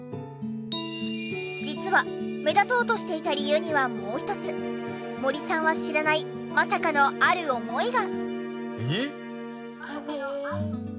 実は目立とうとしていた理由にはもう一つ森さんは知らないまさかのある思いが。